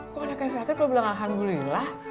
kok anaknya sakit lu bilang alhamdulillah